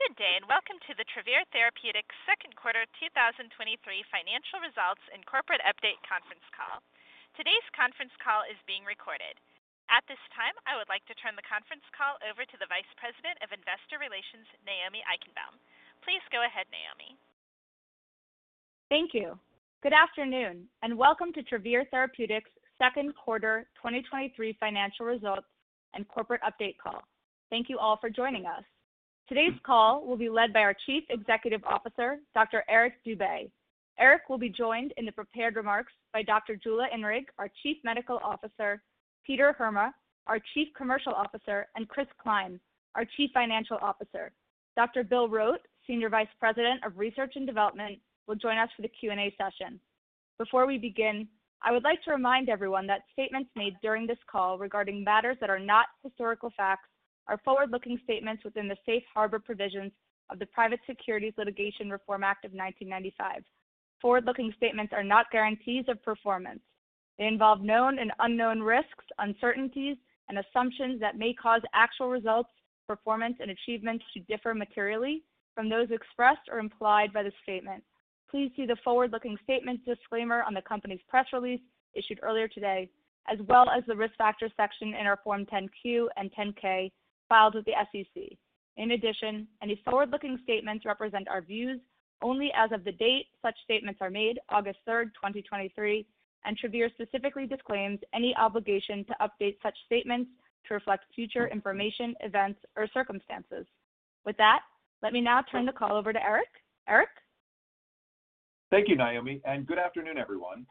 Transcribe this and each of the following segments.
Good day. Welcome to the Travere Therapeutics Q2 2023 Financial Results and Corporate Update Conference Call. Today's conference call is being recorded. At this time, I would like to turn the conference call over to the Vice President of Investor Relations, Naomi Eichenbaum. Please go ahead, Naomi. Thank you. Good afternoon, and welcome to Travere Therapeutics Q2 2023 financial results and corporate update call. Thank you all for joining us. Today's call will be led by our Chief Executive Officer, Dr. Eric Dube. Eric will be joined in the prepared remarks by Dr. Jula Inrig, our Chief Medical Officer, Peter Heerma, our Chief Commercial Officer, and Chris Klein, our Chief Financial Officer. Dr. Bill Rote, Senior Vice President of Research and Development, will join us for the Q&A session. Before we begin, I would like to remind everyone that statements made during this call regarding matters that are not historical facts are forward-looking statements within the Safe Harbor provisions of the Private Securities Litigation Reform Act of 1995. Forward-looking statements are not guarantees of performance. They involve known and unknown risks, uncertainties, and assumptions that may cause actual results, performance, and achievements to differ materially from those expressed or implied by the statement. Please see the forward-looking statements disclaimer on the company's press release issued earlier today, as well as the risk factors section in our Form 10-Q and 10-K filed with the SEC. In addition, any forward-looking statements represent our views only as of the date such statements are made, August 3rd, 2023, and Travere specifically disclaims any obligation to update such statements to reflect future information, events, or circumstances. With that, let me now turn the call over to Eric. Eric? Thank you, Naomi. Good afternoon, everyone.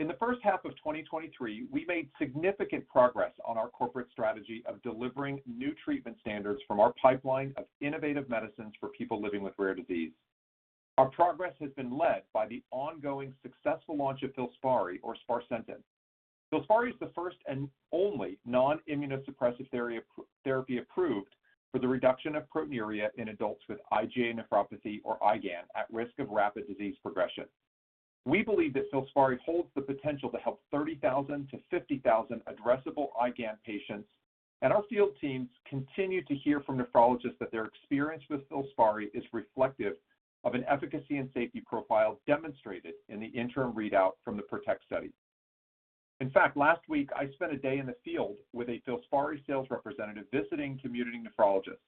In the first half of 2023, we made significant progress on our corporate strategy of delivering new treatment standards from our pipeline of innovative medicines for people living with rare disease. Our progress has been led by the ongoing successful launch of FILSPARI, or sparsentan. FILSPARI is the first and only non-immunosuppressive therapy approved for the reduction of proteinuria in adults with IgA nephropathy, or IgAN, at risk of rapid disease progression. We believe that FILSPARI holds the potential to help 30,000 to 50,000 addressable IgAN patients. Our field teams continue to hear from nephrologists that their experience with FILSPARI is reflective of an efficacy and safety profile demonstrated in the interim readout from the PROTECT Study. In fact, last week I spent a day in the field with a FILSPARI sales representative visiting community nephrologists.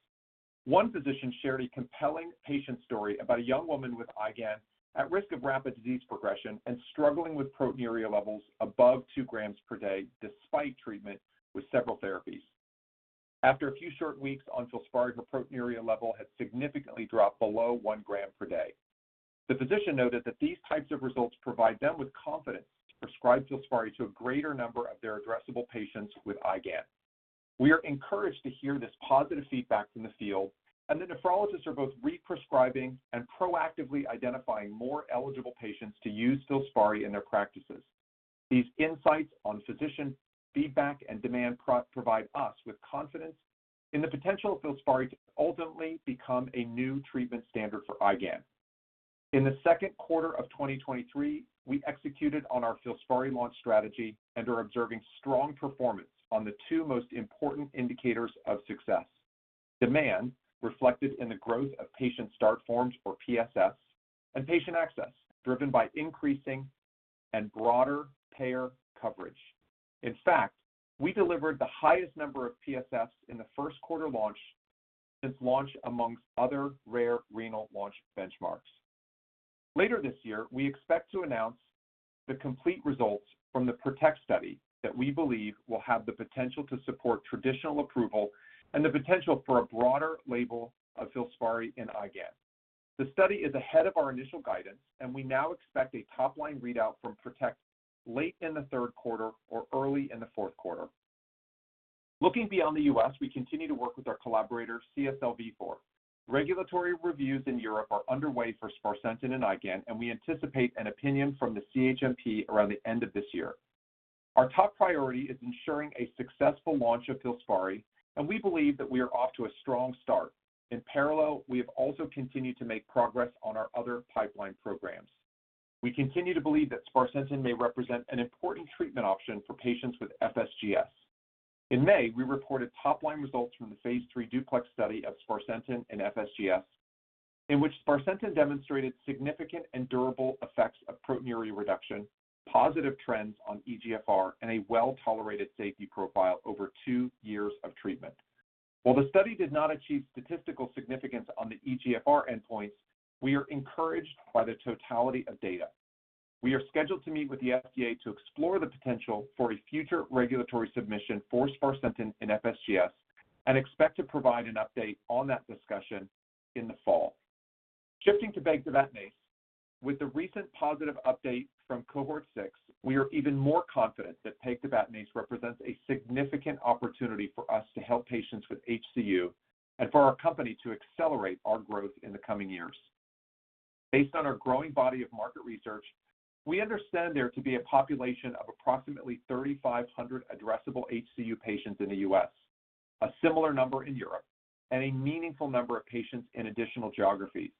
One physician shared a compelling patient story about a young woman with IgAN at risk of rapid disease progression and struggling with proteinuria levels above two grams per day, despite treatment with several therapies. After a few short weeks on FILSPARI, her proteinuria level had significantly dropped below one gram per day. The physician noted that these types of results provide them with confidence to prescribe FILSPARI to a greater number of their addressable patients with IgAN. We are encouraged to hear this positive feedback from the field, and the nephrologists are both re-prescribing and proactively identifying more eligible patients to use FILSPARI in their practices. These insights on physician feedback and demand provide us with confidence in the potential of FILSPARI to ultimately become a new treatment standard for IgAN. In the Q2 of 2023, we executed on our FILSPARI launch strategy and are observing strong performance on the two most important indicators of success. Demand, reflected in the growth of patient start forms, or PSFs, and patient access, driven by increasing and broader payer coverage. In fact, we delivered the highest number of PSFs in the Q1 launch since launch amongst other rare renal launch benchmarks. Later this year, we expect to announce the complete results from the PROTECT Study that we believe will have the potential to support traditional approval and the potential for a broader label of FILSPARI in IgAN. The study is ahead of our initial guidance, and we now expect a top-line readout from PROTECT late in the Q3 or early in the Q4. Looking beyond the U.S., we continue to work with our collaborator, CSL Vifor. Regulatory reviews in Europe are underway for sparsentan and IgAN, and we anticipate an opinion from the CHMP around the end of this year. Our top priority is ensuring a successful launch of FILSPARI, and we believe that we are off to a strong start. In parallel, we have also continued to make progress on our other pipeline programs. We continue to believe that sparsentan may represent an important treatment option for patients with FSGS. In May, we reported top-line results from the phase III DUPLEX Study of sparsentan and FSGS, in which sparsentan demonstrated significant and durable effects of proteinuria reduction, positive trends on eGFR, and a well-tolerated safety profile over two years of treatment. While the study did not achieve statistical significance on the eGFR endpoints, we are encouraged by the totality of data. We are scheduled to meet with the FDA to explore the potential for a future regulatory submission for sparsentan in FSGS and expect to provide an update on that discussion in the fall. Shifting to Pegtibatinase. With the recent positive update from cohort 6, we are even more confident that Pegtibatinase represents a significant opportunity for us to help patients with HCU and for our company to accelerate our growth in the coming years. Based on our growing body of market research, we understand there to be a population of approximately 3,500 addressable HCU patients in the U.S., a similar number in Europe, and a meaningful number of patients in additional geographies.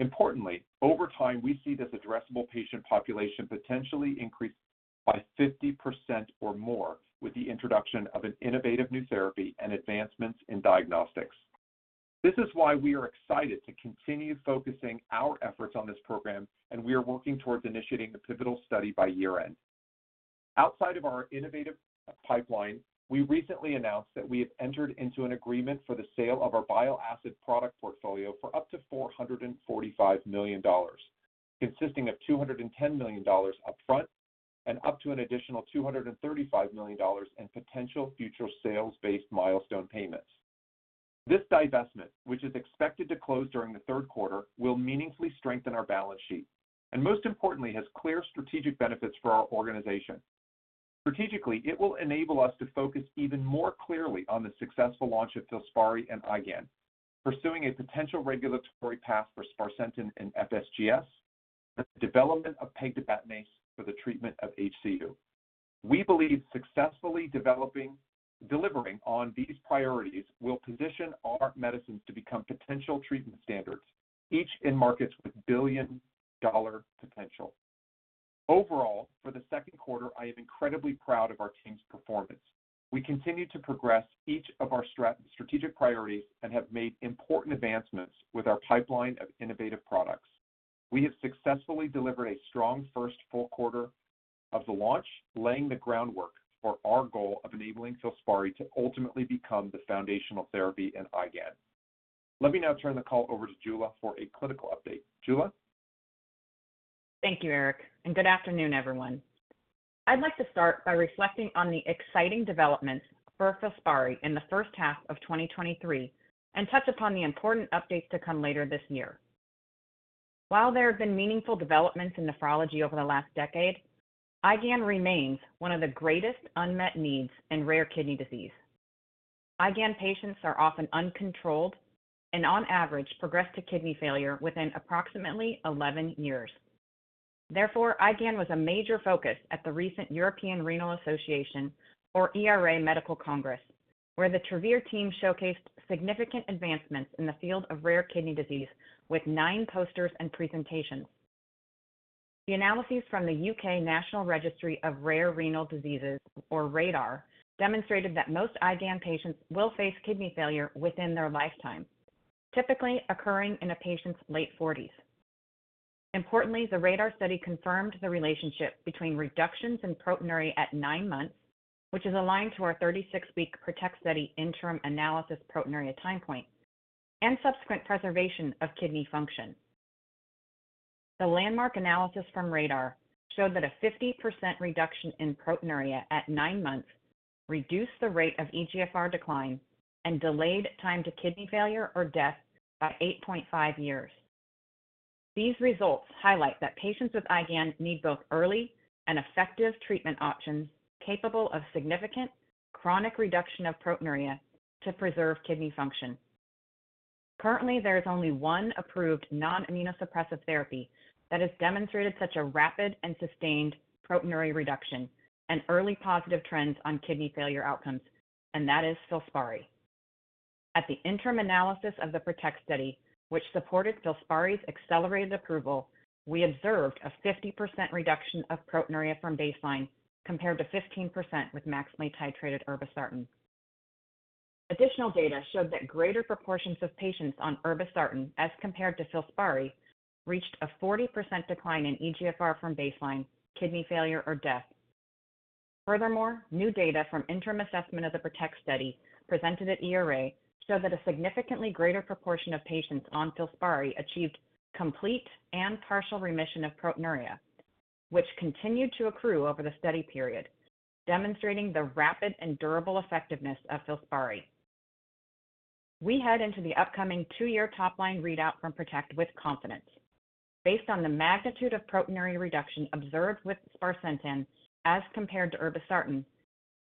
Importantly, over time, we see this addressable patient population potentially increase by 50% or more with the introduction of an innovative new therapy and advancements in diagnostics. This is why we are excited to continue focusing our efforts on this program, and we are working towards initiating the pivotal study by year-end. Outside of our innovative pipeline, we recently announced that we have entered into an agreement for the sale of our bile acid product portfolio for up to $445 million, consisting of $210 million upfront and up to an additional $235 million in potential future sales-based milestone payments. This divestment, which is expected to close during the Q3, will meaningfully strengthen our balance sheet and, most importantly, has clear strategic benefits for our organization. Strategically, it will enable us to focus even more clearly on the successful launch of FILSPARI and IgAN, pursuing a potential regulatory path for sparsentan in FSGS, the development of Pegtibatinase for the treatment of HCU. We believe successfully developing, delivering on these priorities will position our medicines to become potential treatment standards, each in markets with billion-dollar potential. Overall, for the Q2, I am incredibly proud of our team's performance. We continue to progress each of our strategic priorities and have made important advancements with our pipeline of innovative products. We have successfully delivered a strong first full quarter of the launch, laying the groundwork for our goal of enabling FILSPARI to ultimately become the foundational therapy in IgAN. Let me now turn the call over to Jula for a clinical update. Jula? Thank you, Eric. Good afternoon, everyone. I'd like to start by reflecting on the exciting developments for FILSPARI in the first half of 2023 and touch upon the important updates to come later this year. While there have been meaningful developments in nephrology over the last decade, IgAN remains one of the greatest unmet needs in rare kidney disease. IgAN patients are often uncontrolled and, on average, progress to kidney failure within approximately 11 years. Therefore, IgAN was a major focus at the recent European Renal Association, or ERA, Medical Congress, where the Travere team showcased significant advancements in the field of rare kidney disease with 9 posters and presentations. The analyses from the UK National Registry of Rare Kidney Diseases, or RaDaR, demonstrated that most IgAN patients will face kidney failure within their lifetime, typically occurring in a patient's late forties. Importantly, the RaDaR study confirmed the relationship between reductions in proteinuria at nine months, which is aligned to our 36-week PROTECT Study, interim analysis, proteinuria time point, and subsequent preservation of kidney function. The landmark analysis from RaDaR showed that a 50% reduction in proteinuria at nine months reduced the rate of eGFR decline and delayed time to kidney failure or death by 8.5 years. These results highlight that patients with IgAN need both early and effective treatment options capable of significant chronic reduction of proteinuria to preserve kidney function. Currently, there is only one approved non-immunosuppressive therapy that has demonstrated such a rapid and sustained proteinuria reduction and early positive trends on kidney failure outcomes, and that is FILSPARI. At the interim analysis of the PROTECT Study, which supported FILSPARI's accelerated approval, we observed a 50% reduction of proteinuria from baseline, compared to 15% with maximally titrated irbesartan. Additional data showed that greater proportions of patients on irbesartan, as compared to FILSPARI, reached a 40% decline in EGFR from baseline, kidney failure, or death. Furthermore, new data from interim assessment of the PROTECT Study presented at ERA showed that a significantly greater proportion of patients on FILSPARI achieved complete and partial remission of proteinuria, which continued to accrue over the study period, demonstrating the rapid and durable effectiveness of FILSPARI. We head into the upcoming two-year top-line readout from PROTECT with confidence. Based on the magnitude of proteinuria reduction observed with sparsentan as compared to irbesartan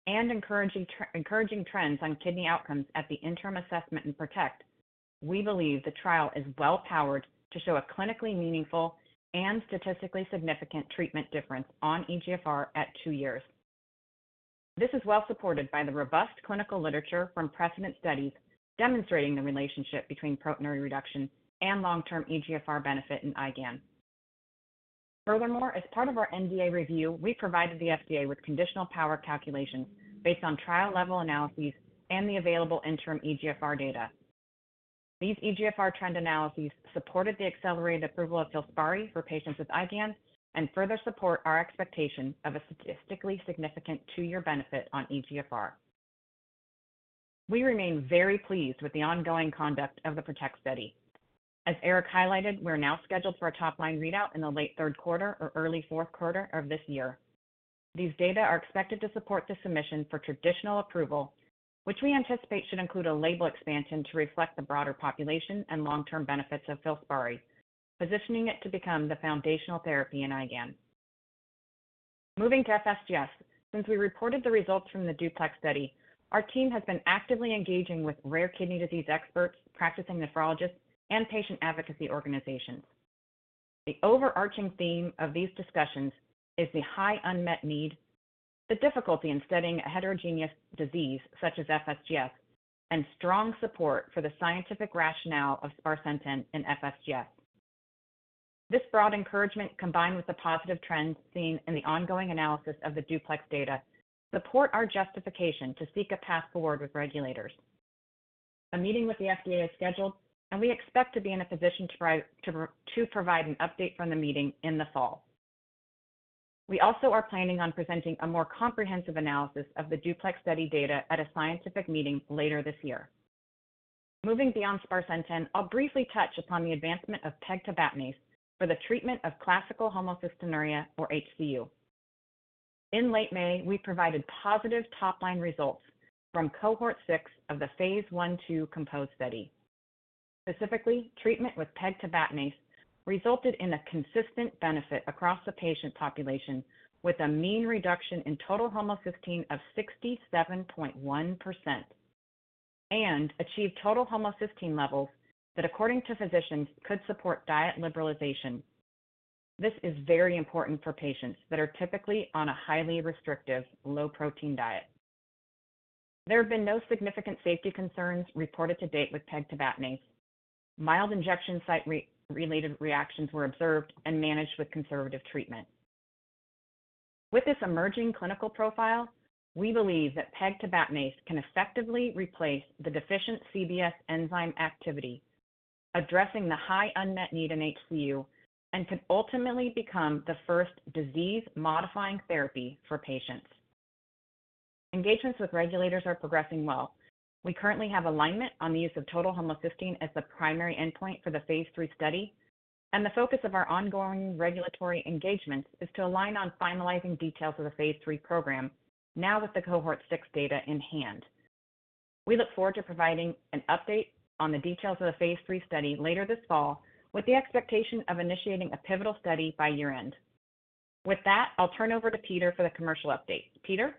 and encouraging trends on kidney outcomes at the interim assessment in PROTECT, we believe the trial is well-powered to show a clinically meaningful and statistically significant treatment difference on eGFR at 2 years. This is well supported by the robust clinical literature from precedent studies demonstrating the relationship between proteinuria reduction and long-term eGFR benefit in IgAN. Furthermore, as part of our NDA review, we provided the FDA with conditional power calculations based on trial-level analyses and the available interim eGFR data. These eGFR trend analyses supported the accelerated approval of FILSPARI for patients with IgAN and further support our expectation of a statistically significant 2-year benefit on eGFR. We remain very pleased with the ongoing conduct of the PROTECT Study. As Eric highlighted, we're now scheduled for a top-line readout in the late Q3 or early Q4 of this year. These data are expected to support the submission for traditional approval, which we anticipate should include a label expansion to reflect the broader population and long-term benefits of FILSPARI, positioning it to become the foundational therapy in IgAN. Moving to FSGS, since we reported the results from the DUPLEX Study, our team has been actively engaging with rare kidney disease experts, practicing nephrologists, and patient advocacy organizations.... The overarching theme of these discussions is the high unmet need, the difficulty in studying a heterogeneous disease such as FSGS, and strong support for the scientific rationale of sparsentan in FSGS. This broad encouragement, combined with the positive trends seen in the ongoing analysis of the DUPLEX data, support our justification to seek a path forward with regulators. A meeting with the FDA is scheduled, and we expect to be in a position to provide an update from the meeting in the fall. We also are planning on presenting a more comprehensive analysis of the DUPLEX Study data at a scientific meeting later this year. Moving beyond sparsentan, I'll briefly touch upon the advancement of Pegtibatinase for the treatment of classical homocystinuria, or HCU. In late May, we provided positive top-line results from cohort 6 of the phase 1/2 COMPOSE Study. Specifically, treatment with Pegtibatinase resulted in a consistent benefit across the patient population, with a mean reduction in total homocysteine of 67.1%, and achieved total homocysteine levels that, according to physicians, could support diet liberalization. This is very important for patients that are typically on a highly restrictive, low-protein diet. There have been no significant safety concerns reported to date with Pegtibatinase. Mild injection site related reactions were observed and managed with conservative treatment. With this emerging clinical profile, we believe that Pegtibatinase can effectively replace the deficient CBS enzyme activity, addressing the high unmet need in HCU, and could ultimately become the first disease-modifying therapy for patients. Engagements with regulators are progressing well. We currently have alignment on the use of total homocysteine as the primary endpoint for the phase III study, and the focus of our ongoing regulatory engagements is to align on finalizing details of the phase III program now with the cohort 6 data in hand. We look forward to providing an update on the details of the phase III study later this fall, with the expectation of initiating a pivotal study by year-end. With that, I'll turn over to Peter for the commercial update. Peter?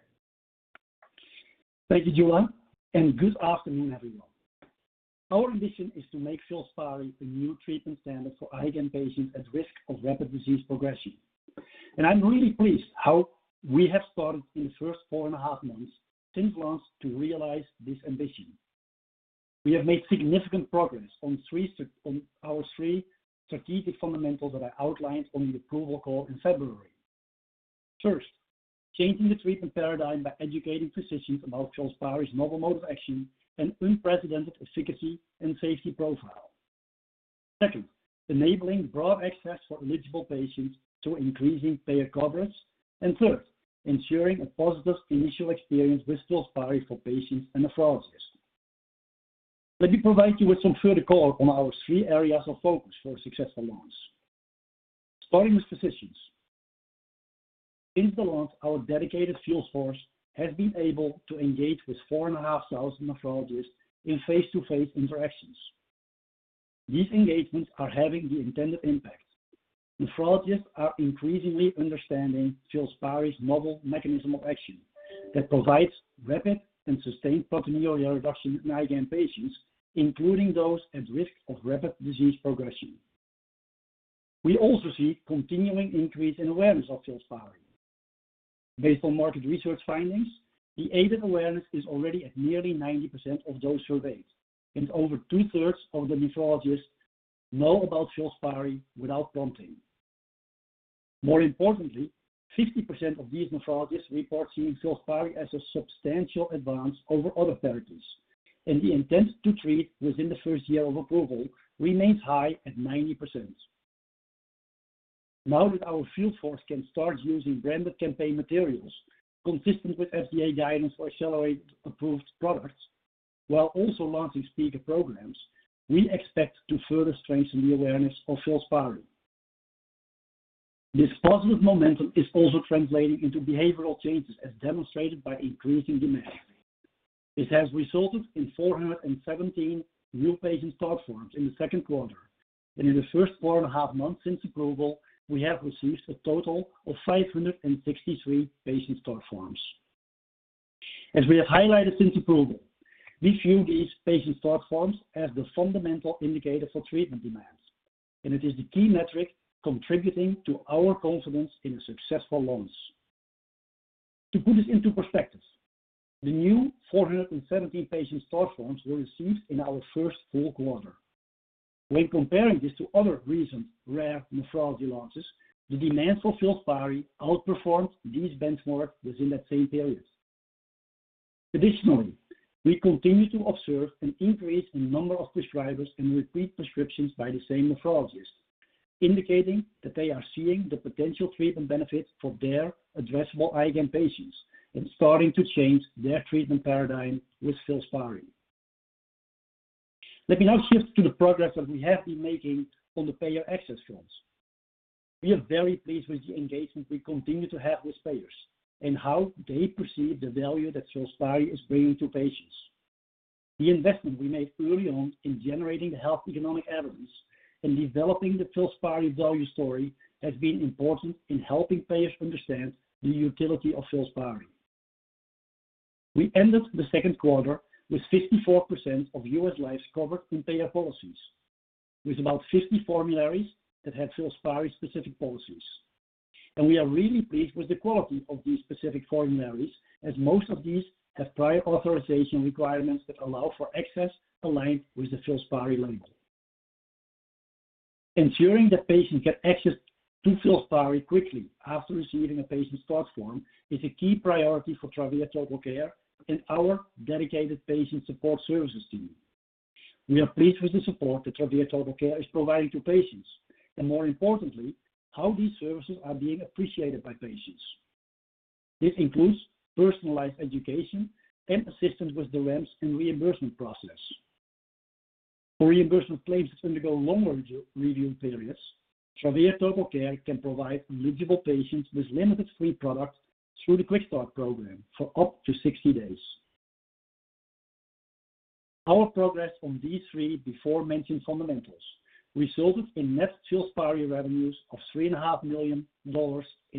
Thank you, Julia. Good afternoon, everyone. Our mission is to make FILSPARI the new treatment standard for IgAN patients at risk of rapid disease progression. I'm really pleased how we have started in the first four and a half months since launch to realize this ambition. We have made significant progress on our three strategic fundamentals that I outlined on the approval call in February. First, changing the treatment paradigm by educating physicians about FILSPARI's novel mode of action and unprecedented efficacy and safety profile. Second, enabling broad access for eligible patients through increasing payer coverage. Third, ensuring a positive initial experience with FILSPARI for patients and nephrologists. Let me provide you with some further color on our three areas of focus for a successful launch. Starting with physicians. Since the launch, our dedicated field force has been able to engage with 4,500 nephrologists in face-to-face interactions. These engagements are having the intended impact. Nephrologists are increasingly understanding FILSPARI's novel mechanism of action that provides rapid and sustained proteinuria reduction in IgAN patients, including those at risk of rapid disease progression. We also see continuing increase in awareness of FILSPARI. Based on market research findings, the aided awareness is already at nearly 90% of those surveyed, and over two-thirds of the nephrologists know about FILSPARI without prompting. More importantly, 50% of these nephrologists report seeing FILSPARI as a substantial advance over other therapies, and the intent to treat within the first year of approval remains high at 90%. Now that our field force can start using branded campaign materials consistent with FDA guidelines for accelerated approved products, while also launching speaker programs, we expect to further strengthen the awareness of FILSPARI. This positive momentum is also translating into behavioral changes, as demonstrated by increasing demand. This has resulted in 417 new patient start forms in the Q2, and in the first four and a half months since approval, we have received a total of 563 patient start forms. As we have highlighted since approval, we view these patient start forms as the fundamental indicator for treatment demands, and it is the key metric contributing to our confidence in a successful launch. To put this into perspective, the new 417 patient start forms were received in our first full quarter. When comparing this to other recent rare nephrology launches, the demand for FILSPARI outperformed these benchmarks within that same period. Additionally, we continue to observe an increase in the number of prescribers and repeat prescriptions by the same nephrologist, indicating that they are seeing the potential treatment benefits for their addressable IgAN patients and starting to change their treatment paradigm with FILSPARI. Let me now shift to the progress that we have been making on the payer access front. We are very pleased with the engagement we continue to have with payers and how they perceive the value that FILSPARI is bringing to patients. The investment we made early on in generating the health economic evidence and developing the FILSPARI value story has been important in helping payers understand the utility of FILSPARI.... We ended the Q2 with 54% of U.S. lives covered in payer policies, with about 50 formularies that have FILSPARI-specific policies. We are really pleased with the quality of these specific formularies, as most of these have prior authorization requirements that allow for access aligned with the FILSPARI label. Ensuring that patients get access to FILSPARI quickly after receiving a patient start form is a key priority for Travere Total Care and our dedicated patient support services team. We are pleased with the support that Travere Total Care is providing to patients, and more importantly, how these services are being appreciated by patients. This includes personalized education and assistance with the REMS and reimbursement process. For reimbursement claims that undergo longer re-review periods, Travere Total Care can provide eligible patients with limited free products through the Quick Start program for up to 60 days. Our progress on these three before mentioned fundamentals resulted in net FILSPARI revenues of $3.5 million in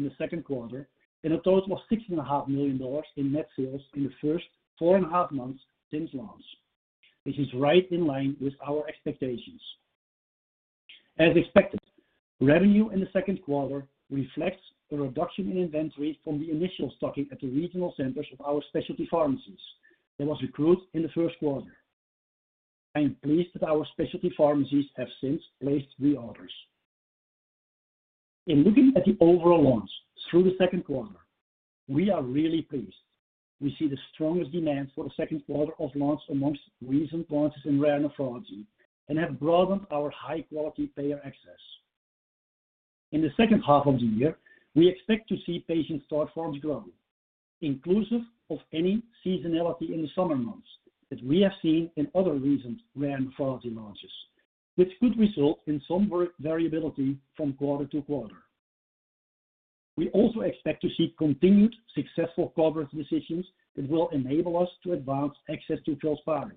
the Q2, and a total of $6.5 million in net sales in the first four and a half months since launch, which is right in line with our expectations. As expected, revenue in the Q2 reflects a reduction in inventory from the initial stocking at the regional centers of our specialty pharmacies that was accrued in the Q1. I am pleased that our specialty pharmacies have since placed reorders. In looking at the overall launch through the Q2, we are really pleased. We see the strongest demand for the Q2 of launch amongst recent launches in rare nephrology and have broadened our high-quality payer access. In the second half of the year, we expect to see patient start forms grow, inclusive of any seasonality in the summer months that we have seen in other recent rare nephrology launches, which could result in some work variability from quarter to quarter. We also expect to see continued successful coverage decisions that will enable us to advance access to FILSPARI.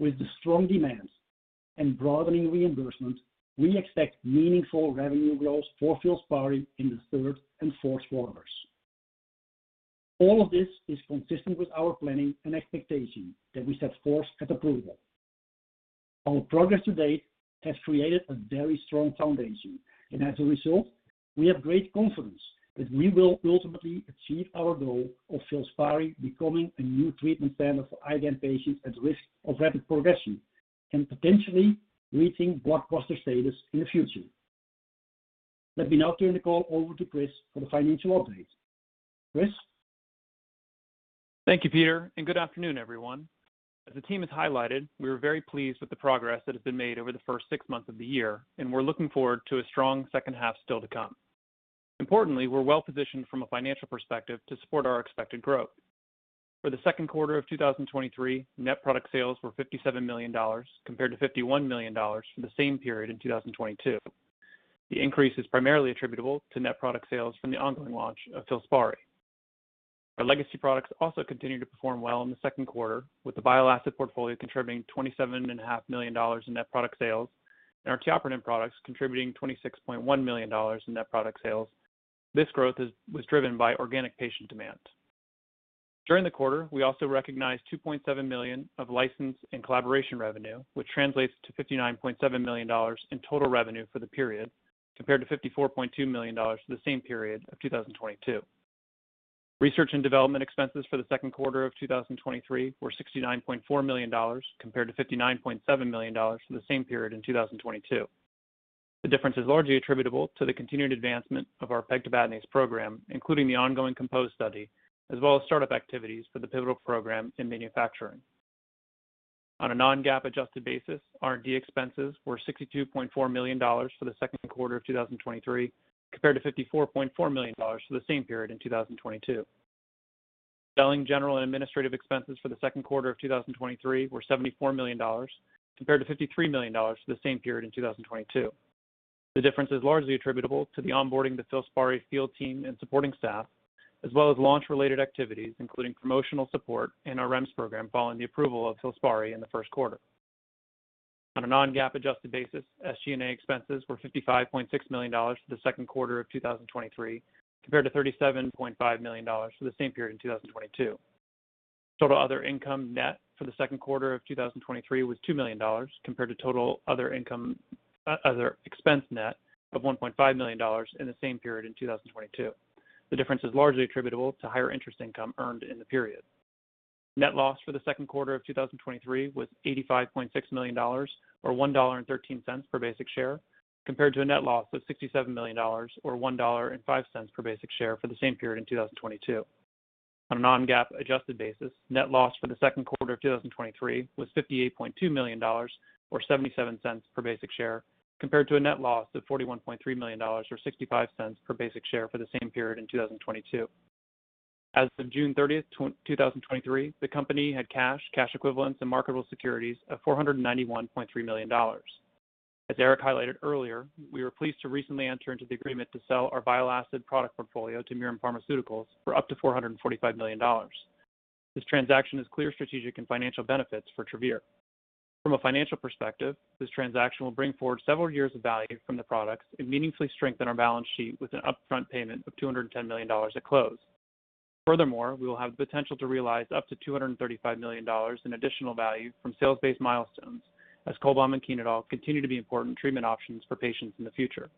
With the strong demand and broadening reimbursement, we expect meaningful revenue growth for FILSPARI in the third and Q4's. All of this is consistent with our planning and expectation that we set forth at approval. Our progress to date has created a very strong foundation and as a result, we have great confidence that we will ultimately achieve our goal of FILSPARI becoming a new treatment standard for IgAN patients at risk of rapid progression and potentially reaching blockbuster status in the future. Let me now turn the call over to Chris for the financial update. Chris? Thank you, Peter. Good afternoon, everyone. As the team has highlighted, we are very pleased with the progress that has been made over the first six months of the year, we're looking forward to a strong second half still to come. Importantly, we're well-positioned from a financial perspective to support our expected growth. For the Q2 of 2023, net product sales were $57 million, compared to $51 million for the same period in 2022. The increase is primarily attributable to net product sales from the ongoing launch of FILSPARI. Our legacy products also continued to perform well in the Q2, with the bile acid portfolio contributing $27.5 million in net product sales and our tiopronin products contributing $26.1 million in net product sales. This growth was driven by organic patient demand. During the quarter, we also recognized $2.7 million of license and collaboration revenue, which translates to $59.7 million in total revenue for the period, compared to $54.2 million for the same period of 2022. Research and development expenses for the Q2 of 2023 were $69.4 million, compared to $59.7 million for the same period in 2022. The difference is largely attributable to the continued advancement of our Pegtibatinase program, including the ongoing COMPOSE Study, as well as start-up activities for the pivotal program in manufacturing. On a non-GAAP adjusted basis, R&D expenses were $62.4 million for the Q2 of 2023, compared to $54.4 million for the same period in 2022. Selling, general, and administrative expenses for the Q2 of 2023 were $74 million, compared to $53 million for the same period in 2022. The difference is largely attributable to the onboarding of the FILSPARI field team and supporting staff, as well as launch-related activities, including promotional support and our REMS program following the approval of FILSPARI in the Q1. On a non-GAAP adjusted basis, SG&A expenses were $55.6 million for the Q2 of 2023, compared to $37.5 million for the same period in 2022. Total other income net for the Q2 of 2023 was $2 million, compared to total other income, other expense net of $1.5 million in the same period in 2022. The difference is largely attributable to higher interest income earned in the period. Net loss for the Q2 of 2023 was $85.6 million, or $1.13 per basic share, compared to a net loss of $67 million, or $1.05 per basic share for the same period in 2022. On a non-GAAP adjusted basis, net loss for the Q2 of 2023 was $58.2 million, or $0.77 per basic share, compared to a net loss of $41.3 million, or $0.65 per basic share for the same period in 2022. As of June 30th, 2023, the company had cash, cash equivalents, and marketable securities of $491.3 million. As Eric highlighted earlier, we were pleased to recently enter into the agreement to sell our bile acid product portfolio to Mirum Pharmaceuticals for up to $445 million. This transaction is clear strategic and financial benefits for Travere. From a financial perspective, this transaction will bring forward several years of value from the products and meaningfully strengthen our balance sheet with an upfront payment of $210 million at close. We will have the potential to realize up to $235 million in additional value from sales-based milestones, as Cholbam and Chenodal continue to be important treatment options for patients in the future.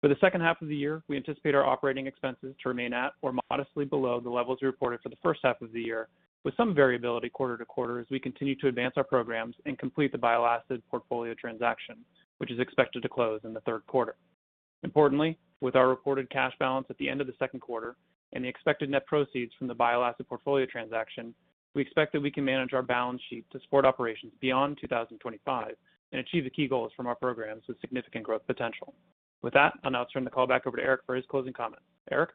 For the second half of the year, we anticipate our operating expenses to remain at or modestly below the levels reported for the first half of the year, with some variability quarter to quarter as we continue to advance our programs and complete the bile acid portfolio transaction, which is expected to close in the Q3. Importantly, with our reported cash balance at the end of the Q2 and the expected net proceeds from the bile acid portfolio transaction, we expect that we can manage our balance sheet to support operations beyond 2025 and achieve the key goals from our programs with significant growth potential. With that, I'll now turn the call back over to Eric for his closing comments. Eric?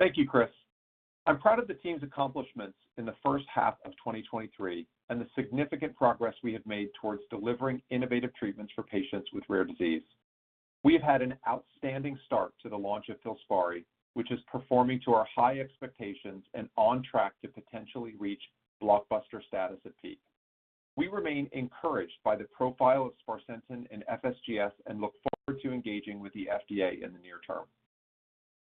Thank you, Chris. I'm proud of the team's accomplishments in the first half of 2023 and the significant progress we have made towards delivering innovative treatments for patients with rare disease. We have had an outstanding start to the launch of FILSPARI, which is performing to our high expectations and on track to potentially reach blockbuster status at peak. We remain encouraged by the profile of sparsentan in FSGS and look forward to engaging with the FDA in the near term.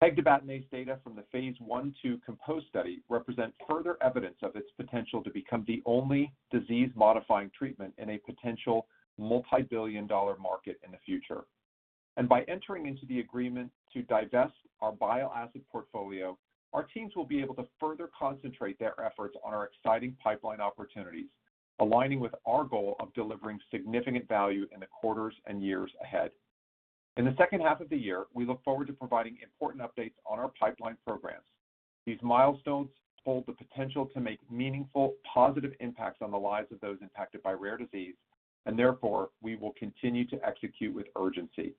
Pegtibatinase data from the phase 1/2 COMPOSE Study represents further evidence of its potential to become the only disease-modifying treatment in a potential multibillion-dollar market in the future. By entering into the agreement to divest our bile acid portfolio, our teams will be able to further concentrate their efforts on our exciting pipeline opportunities, aligning with our goal of delivering significant value in the quarters and years ahead. In the second half of the year, we look forward to providing important updates on our pipeline programs. These milestones hold the potential to make meaningful, positive impacts on the lives of those impacted by rare disease, and therefore, we will continue to execute with urgency.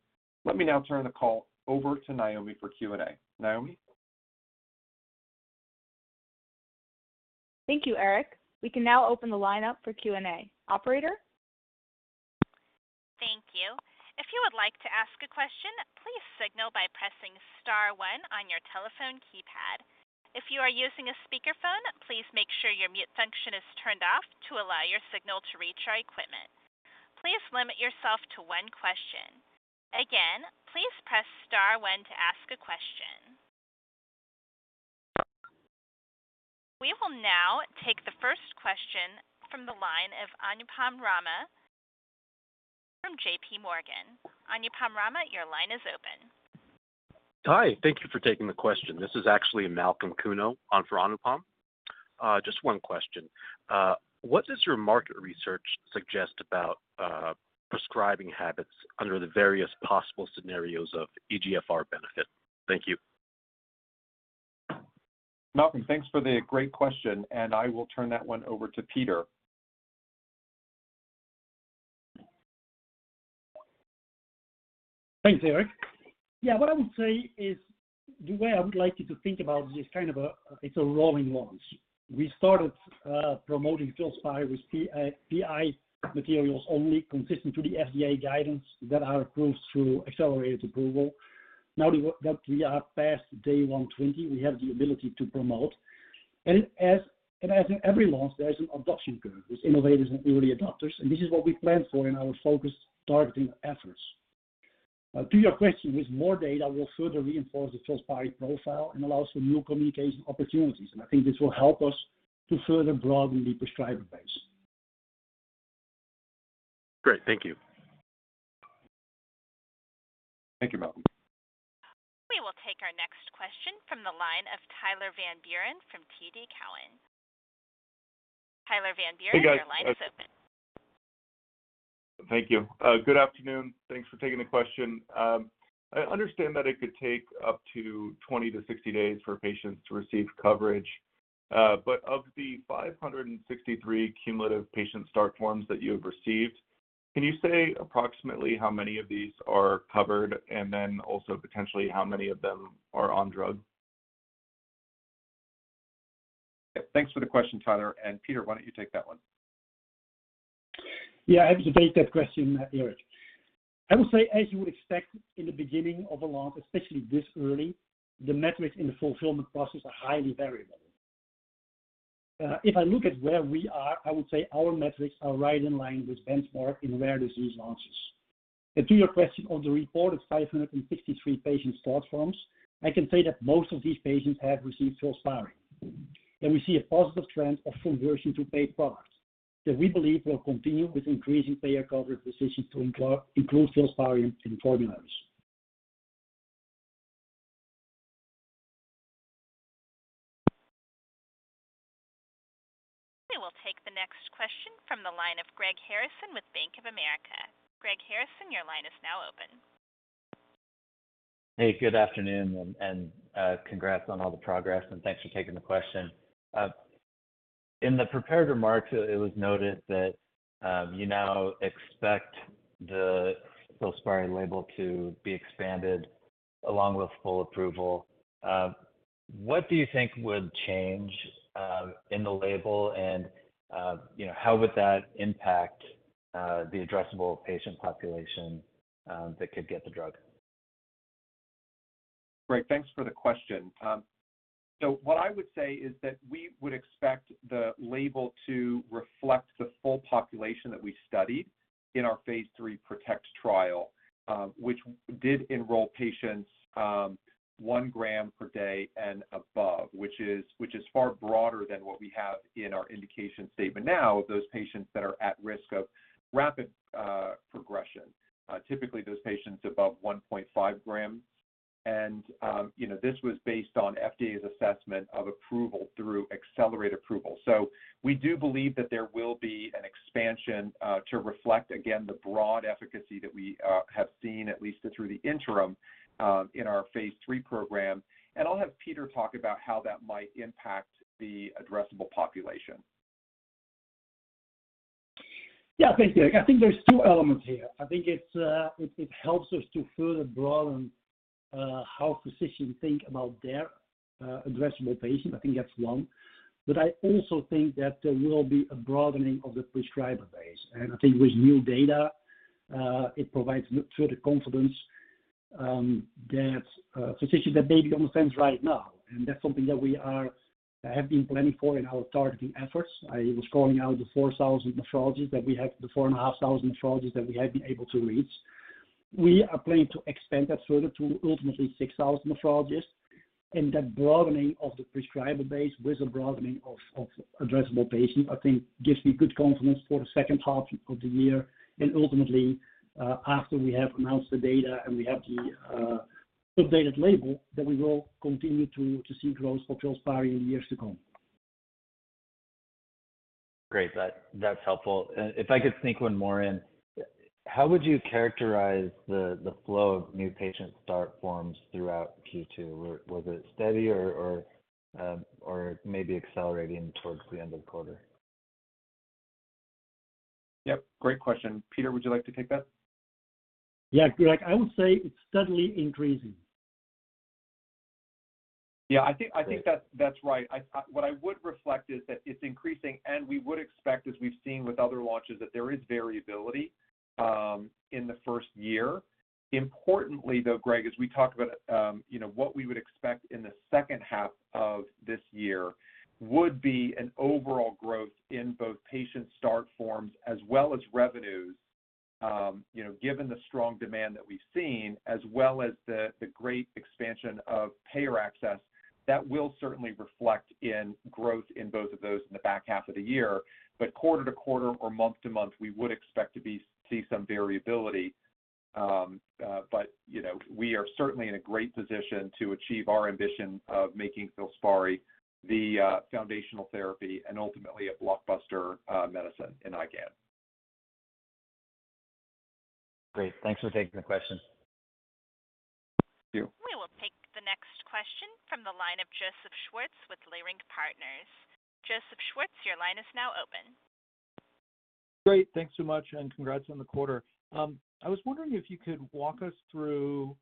Let me now turn the call over to Naomi for Q&A. Naomi? Thank you, Eric. We can now open the line up for Q&A. Operator? Thank you. If you would like to ask a question, please signal by pressing star one on your telephone keypad. If you are using a speakerphone, please make sure your mute function is turned off to allow your signal to reach our equipment. Please limit yourself to one question. Again, please press star one to ask a question. We will now take the first question from the line of Anupam Rama from J.P. Morgan. Anupam Rama, your line is open. Hi, thank you for taking the question. This is actually Malcolm Kuno on for Anupam. Just one question. What does your market research suggest about prescribing habits under the various possible scenarios of EGFR benefit? Thank you. Malcolm, thanks for the great question, and I will turn that one over to Peter. Thanks, Eric. Yeah, what I would say is, the way I would like you to think about this, kind of, it's a rolling launch. We started promoting FILSPARI with PI, PI materials only, consistent to the FDA guidance that are approved through accelerated approval. Now that we are past day 120, we have the ability to promote. As in every launch, there is an adoption curve with innovators and early adopters, and this is what we plan for in our focused targeting efforts. To your question, with more data, we'll further reinforce the FILSPARI profile and allow some new communication opportunities. I think this will help us to further broaden the prescriber base. Great. Thank you. Thank you, Malcolm. We will take our question from the line of Tyler Van Buren from TD Cowen. Tyler Van Buren- Hey, guys. Your line is open. Thank you. good afternoon. Thanks for taking the question. I understand that it could take up to 20-60 days for patients to receive coverage. Of the 563 cumulative patient start forms that you have received, can you say approximately how many of these are covered, and then also potentially how many of them are on drug? Thanks for the question, Tyler, and Peter, why don't you take that one? Yeah, I have to take that question, Eric. I would say, as you would expect in the beginning of a launch, especially this early, the metrics in the fulfillment process are highly variable. If I look at where we are, I would say our metrics are right in line with benchmark in rare disease launches. To your question, on the reported 563 patient start forms, I can say that most of these patients have received FILSPARI. We see a positive trend of conversion to paid products that we believe will continue with increasing payer coverage decisions to include FILSPARI in formularies. We will take the next question from the line of Greg Harrison with Bank of America. Greg Harrison, your line is now open. Hey, good afternoon, and congrats on all the progress, and thanks for taking the question. In the prepared remarks, it was noted that you now expect the FILSPARI label to be expanded along with full approval. What do you think would change in the label and, you know, how would that impact the addressable patient population that could get the drug? Great. Thanks for the question. What I would say is that we would expect the label to reflect the full population that we studied in our phase III PROTECT trial, which did enroll patients, 1 gram per day and above, which is, which is far broader than what we have in our indication statement now, those patients that are at risk of rapid progression. Typically, those patients above 1.5 grams. You know, this was based on FDA's assessment of approval through accelerate approval. We do believe that there will be an expansion to reflect, again, the broad efficacy that we have seen, at least through the interim, in our phase III program. I'll have Peter talk about how that might impact the addressable population. Yeah, thanks, Greg. I think there's 2 elements here. I think it's, it helps us to further broaden, how physicians think about their, addressable patients. I think that's one. I also think that there will be a broadening of the prescriber base. I think with new data, it provides further confidence, that physicians that they understand right now. That's something that we have been planning for in our targeting efforts. I was calling out the 4,000 nephrologists that we have, the 4,500 nephrologists that we have been able to reach. We are planning to expand that further to ultimately 6,000 nephrologists, and that broadening of the prescriber base with a broadening of, of addressable patients, I think gives me good confidence for the second half of the year. Ultimately, after we have announced the data and we have the updated label, that we will continue to see growth for FILSPARI in years to come. Great. That, that's helpful. If I could sneak one more in, how would you characterize the flow of new Patient Start Forms throughout Q2? Was, was it steady or, or, or maybe accelerating towards the end of the quarter? Yep, great question. Peter, would you like to take that? Yeah, Greg, I would say it's steadily increasing. Yeah, I think, I think that's, that's right. I... What I would reflect is that it's increasing, and we would expect, as we've seen with other launches, that there is variability in the first year. Importantly, though, Greg, as we talk about, you know, what we would expect in the second half of this year would be an overall growth in both patient start forms as well as revenues. You know, given the strong demand that we've seen, as well as the, the great expansion of payer access, that will certainly reflect in growth in both of those in the back half of the year. Quarter to quarter or month to month, we would expect to see some variability. you know, we are certainly in a great position to achieve our ambition of making FILSPARI the foundational therapy and ultimately a blockbuster medicine in IgAN. Great. Thanks for taking the question. Thank you. We will take the next question from the line of Joseph Schwartz with Leerink Partners. Joseph Schwartz, your line is now open. Great. Thanks so much, and congrats on the quarter. I was wondering if you could walk us through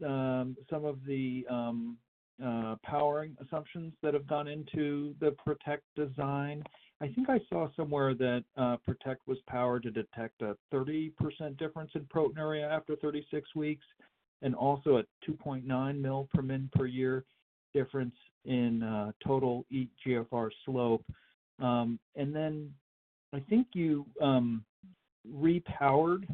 some of the powering assumptions that have gone into the PROTECT design. I think I saw somewhere that PROTECT was powered to detect a 30% difference in proteinuria after 36 weeks and also a 2.9 mil per min per year difference in total eGFR slope. I think you repowered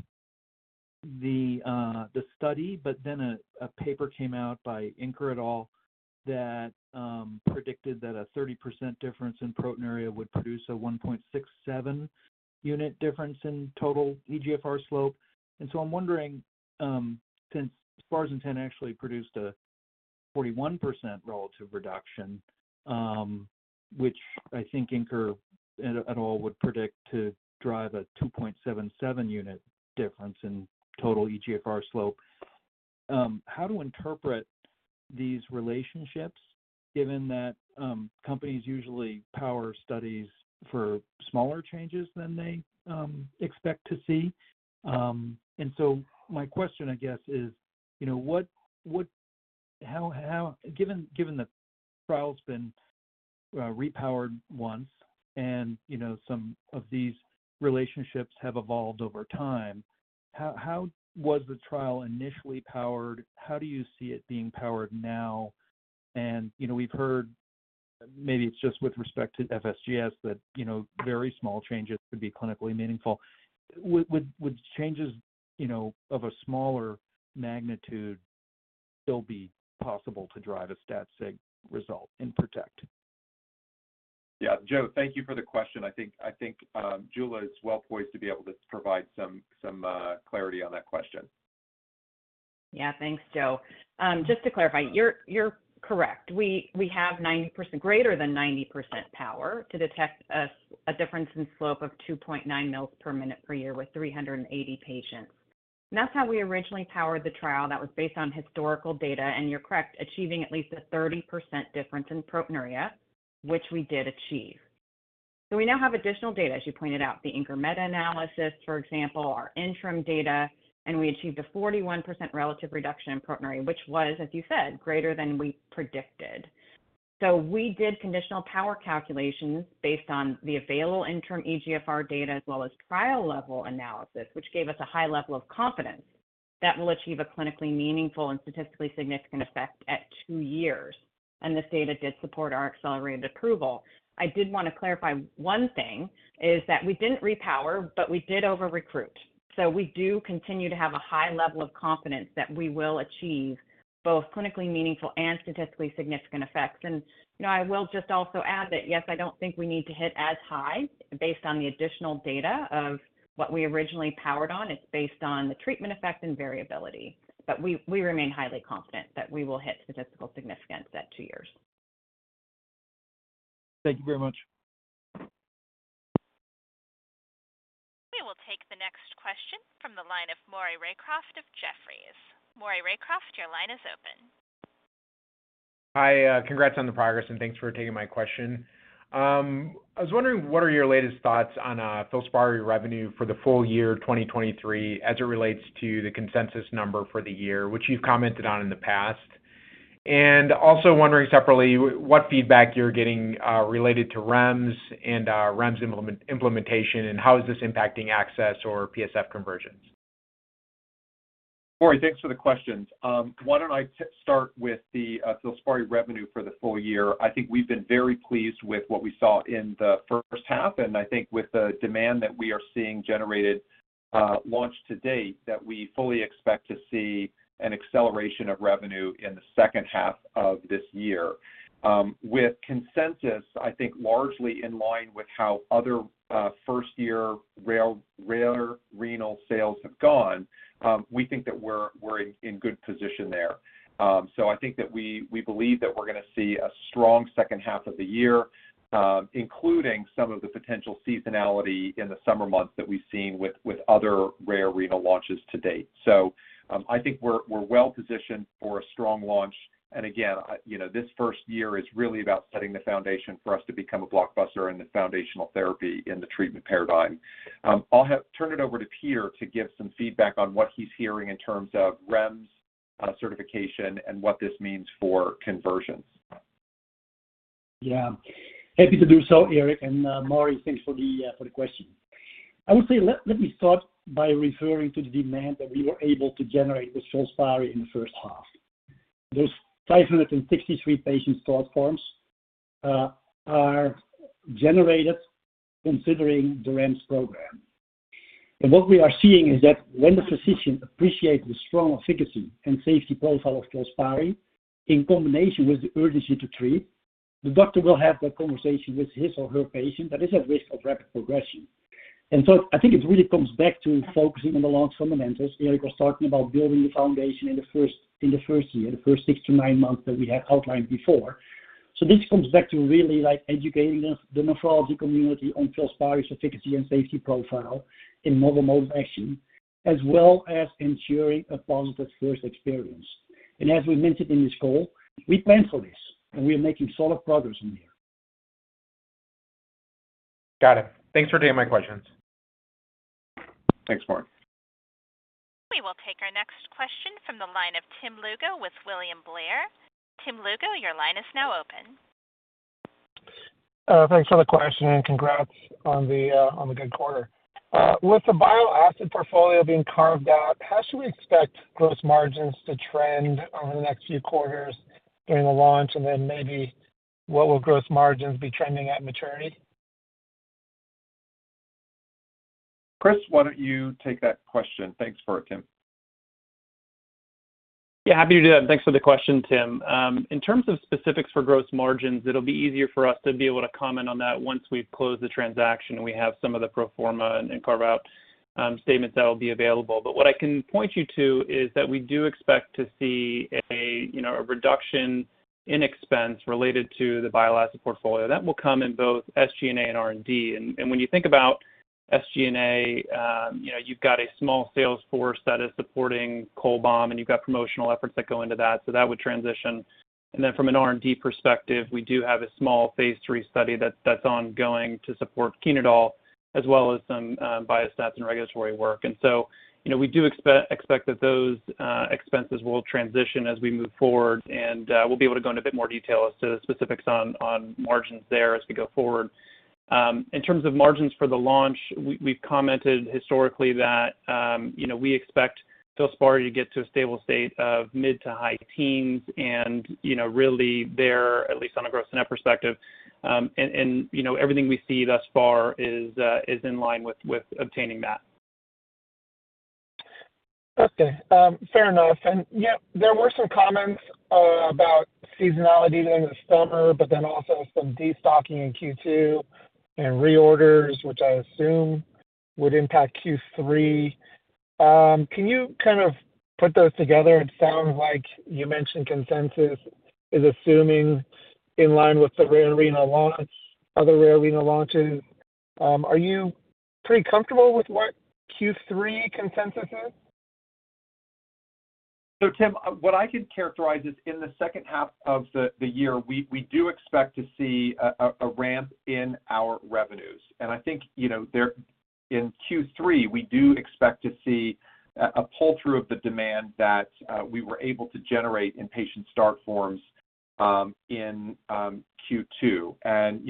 the study, but then a paper came out by Inker et al. that predicted that a 30% difference in proteinuria would produce a 1.67 unit difference in total eGFR slope. I'm wondering since sparsentan actually produced a 41% relative reduction, which I think Inker et al. would predict to drive a 2.77 unit difference in total eGFR slope, how to interpret these relationships, given that companies usually power studies for smaller changes than they expect to see? My question, I guess, is, you know, what, what... How, how- given, given the trial's been repowered once, and, you know, some of these relationships have evolved over time, how, how was the trial initially powered? How do you see it being powered now? You know, we've heard, maybe it's just with respect to FSGS, that, you know, very small changes could be clinically meaningful. Would, would, would changes, you know, of a smaller magnitude still be possible to drive a stat sig result in PROTECT? Yeah. Joe, thank you for the question. I think, I think, Jula is well poised to be able to provide some, some clarity on that question. Yeah. Thanks, Joe. Just to clarify, you're, you're correct. We, we have 90%, greater than 90% power to detect a, a difference in slope of 2.9 mils per minute per year with 380 patients. That's how we originally powered the trial. That was based on historical data, and you're correct, achieving at least a 30% difference in proteinuria, which we did achieve. We now have additional data, as you pointed out, the Inker meta-analysis, for example, our interim data, and we achieved a 41% relative reduction in proteinuria, which was, as you said, greater than we predicted. We did conditional power calculations based on the available interim eGFR data as well as trial level analysis, which gave us a high level of confidence that we'll achieve a clinically meaningful and statistically significant effect at two years. This data did support our accelerated approval. I did want to clarify one thing, is that we didn't repower, but we did over-recruit. We do continue to have a high level of confidence that we will achieve both clinically meaningful and statistically significant effects. You know, I will just also add that, yes, I don't think we need to hit as high based on the additional data of what we originally powered on. It's based on the treatment effect and variability. We, we remain highly confident that we will hit statistical significance at two years. Thank you very much. We will take the next question from the line of Maury Raycroft of Jefferies. Maury Raycroft, your line is open. Hi, congrats on the progress, and thanks for taking my question. I was wondering, what are your latest thoughts on FILSPARI revenue for the full year 2023, as it relates to the consensus number for the year, which you've commented on in the past? Also wondering separately, what feedback you're getting related to REMS and REMS implementation, and how is this impacting access or PSF conversions? Maury, thanks for the questions. Why don't I start with the FILSPARI revenue for the full year? I think we've been very pleased with what we saw in the first half, and I think with the demand that we are seeing generated, launch to date, that we fully expect to see an acceleration of revenue in the second half of this year. With consensus, I think largely in line with how other first-year rare renal sales have gone, we think that we're, we're in, in good position there. I think that we, we believe that we're going to see a strong second half of the year, including some of the potential seasonality in the summer months that we've seen with, with other rare renal launches to date. I think we're, we're well positioned for a strong launch. Again, you know, this first year is really about setting the foundation for us to become a blockbuster and the foundational therapy in the treatment paradigm. I'll have turn it over to Peter to give some feedback on what he's hearing in terms of REMS certification and what this means for conversions. Yeah. Happy to do so, Eric, Maury, thanks for the for the question. I would say, let me start by referring to the demand that we were able to generate with FILSPARI in the first half. Those 563 patient start forms are generated considering the REMS program. What we are seeing is that when the physician appreciates the strong efficacy and safety profile of FILSPARI, in combination with the urgency to treat, the doctor will have that conversation with his or her patient that is at risk of rapid progression. So I think it really comes back to focusing on the launch fundamentals. Eric was talking about building the foundation in the first, in the first year, the first six to nine months that we have outlined before. This comes back to really, like, educating the nephrology community on FILSPARI's efficacy and safety profile in mobile mode of action, as well as ensuring a positive first experience. As we mentioned in this call, we plan for this, and we are making solid progress in there. Got it. Thanks for taking my questions. Thanks, Maury. We will take our next question from the line of Tim Lugo with William Blair. Tim Lugo, your line is now open. Thanks for the question, and congrats on the good quarter. With the bile acid portfolio being carved out, how should we expect gross margins to trend over the next few quarters during the launch? Maybe what will gross margins be trending at maturity? Chris, why don't you take that question? Thanks for it, Tim. Yeah, happy to do that. Thanks for the question, Tim. In terms of specifics for gross margins, it'll be easier for us to be able to comment on that once we've closed the transaction, and we have some of the pro forma and carve-out statements that will be available. What I can point you to is that we do expect to see a, you know, a reduction in expense related to the bile acid portfolio. That will come in both SG&A and R&D. When you think about SG&A, you know, you've got a small sales force that is supporting Cholbam, and you've got promotional efforts that go into that, so that would transition. Then from an R&D perspective, we do have a small phase III study that's, that's ongoing to support Chenodal, as well as some biostats and regulatory work. You know, we do expect that those expenses will transition as we move forward. We'll be able to go into a bit more detail as to the specifics on, on margins there as we go forward. In terms of margins for the launch, we, we've commented historically that, you know, we expect FILSPARI to get to a stable state of mid to high teens and, you know, really there, at least on a gross net perspective. You know, everything we see thus far is in line with obtaining that. Okay, fair enough. Yeah, there were some comments about seasonality during the summer, but then also some destocking in Q2 and reorders, which I assume would impact Q3. Can you kind of put those together? It sounds like you mentioned consensus is assuming in line with the rare renal launch, other rare renal launches. Are you pretty comfortable with what Q3 consensus is? Tim, what I could characterize is in the second half of the, the year, we, we do expect to see a, a, a ramp in our revenues. I think, you know, in Q3, we do expect to see a, a pull-through of the demand that we were able to generate in patient start forms in Q2. You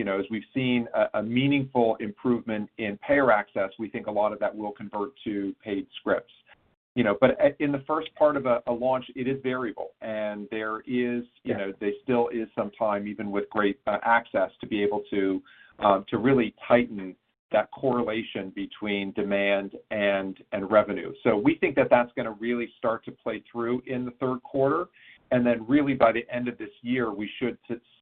know, as we've seen a, a meaningful improvement in payer access, we think a lot of that will convert to paid scripts. You know, at, in the first part of a, a launch, it is variable, and there is, you know, there still is some time, even with great access, to be able to really tighten that correlation between demand and, and revenue. We think that that's gonna really start to play through in the Q3, and then really by the end of this year, we should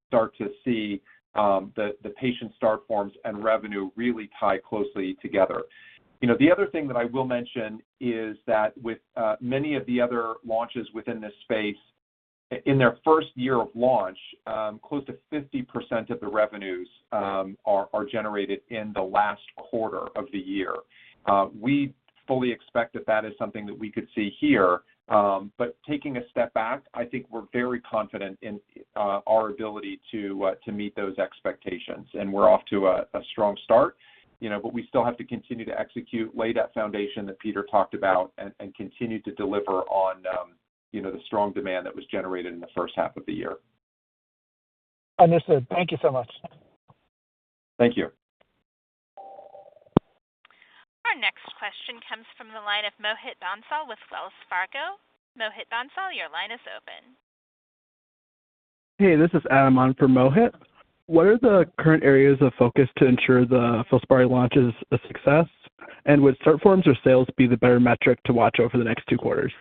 start to see the patient start forms and revenue really tie closely together. You know, the other thing that I will mention is that with many of the other launches within this space, in their first year of launch, close to 50% of the revenues are generated in the last quarter of the year. We fully expect that that is something that we could see here. Taking a step back, I think we're very confident in our ability to meet those expectations, and we're off to a strong start, you know. We still have to continue to execute, lay that foundation that Peter talked about, and, and continue to deliver on, you know, the strong demand that was generated in the first half of the year. Understood. Thank you so much. Thank you. Our next question comes from the line of Mohit Bansal with Wells Fargo. Mohit Bansal, your line is open. Hey, this is Adam on for Mohit. What are the current areas of focus to ensure the FILSPARI launch is a success? Would start forms or sales be the better metric to watch over the next 2 quarters?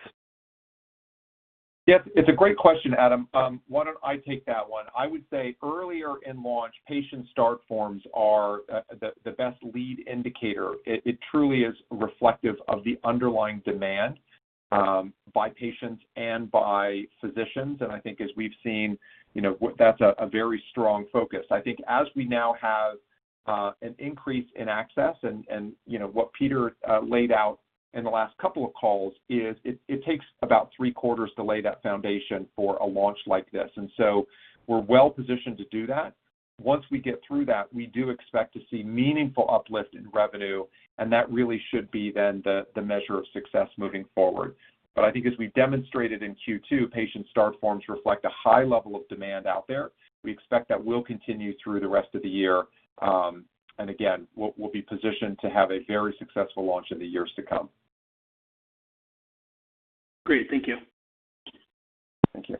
Yes, it's a great question, Adam. Why don't I take that one? I would say earlier in launch, patient start forms are the best lead indicator. It, it truly is reflective of the underlying demand by patients and by physicians, and I think as we've seen, you know, what... That's a very strong focus. I think as we now have an increase in access, and, and, you know, what Peter laid out in the last couple of calls is it, it takes about three quarters to lay that foundation for a launch like this. We're well positioned to do that. Once we get through that, we do expect to see meaningful uplift in revenue, and that really should be then the measure of success moving forward. I think as we've demonstrated in Q2, patient start forms reflect a high level of demand out there. We expect that will continue through the rest of the year. Again, we'll, we'll be positioned to have a very successful launch in the years to come. Great. Thank you. Thank you.